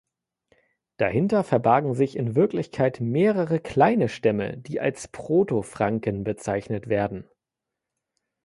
Dahinter verbargen sich in Wirklichkeit mehrere kleine Stämme, die als Proto-Franken bezeichnet werden.